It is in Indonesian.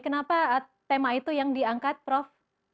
kenapa tema itu yang diangkat prof